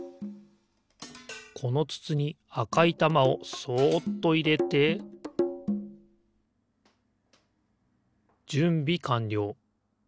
このつつにあかいたまをそっといれてじゅんびかんりょう。